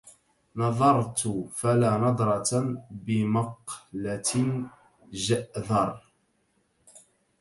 نظرت فلا نظرت بمقلة جؤذر